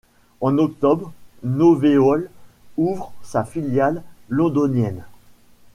En octobre, Noveol ouvre sa filiale londonienne.